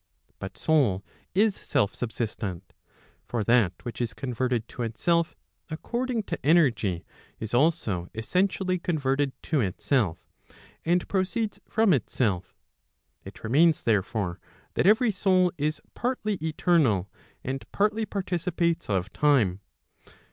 But soul is self subsistent. For that which is converted to itself, according to energy, is also essentially converted to itself, » and proceeds from itself. It remains therefore, that every soul is partly eternal, and partly participates of time.